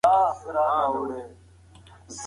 کمپيوټر انټيويروس غواړي.